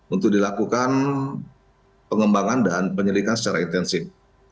untuk dilakukan pengembangan dan penyelidikan secara intensif